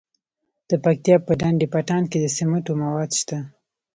د پکتیا په ډنډ پټان کې د سمنټو مواد شته.